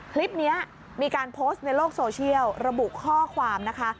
คลิปนี้มีการโพสต์ในโลกโซเชียลระบุข้อความนะคะ